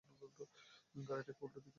গাড়িটাকে উল্টোদিকে সেটিং দে।